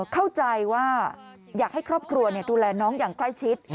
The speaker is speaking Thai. เข้าใจว่าอยากให้ครอบครัวดูแลน้องอย่างใกล้ชิด